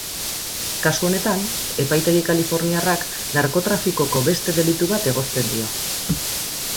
Kasu honetan, epaitegi kaliforniarrak narkotrafikoko beste delitu bat egozten dio.